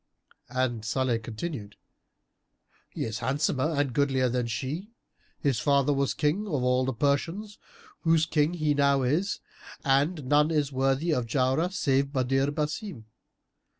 And Salih continued, "He is handsomer and goodlier than she; his father was King of all the Persians, whose King he now is, and none is worthy of Jauharah save Badr Basim.